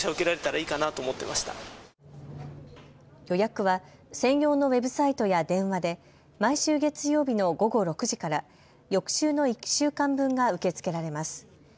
予約は専用のウェブサイトや電話で毎週月曜日の午後６時から翌週の１週間分が受け付けられます。